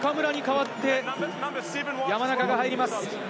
中村に代わって山中が入ります。